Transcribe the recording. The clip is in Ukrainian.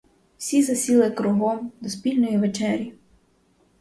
Всі засіли кругом до спільної вечері.